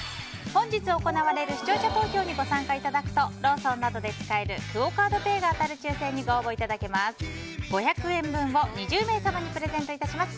本日行われる視聴者投票にご参加いただくとローソンなどで使えるクオ・カードペイが当たる抽選にご応募いただけます。